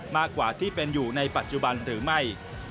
มากกว่าที่เป็นอยู่ในปัจจุบันหรือไม่